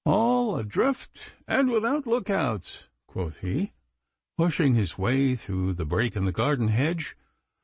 'All adrift and without look outs,' quoth he, pushing his way through the break in the garden hedge.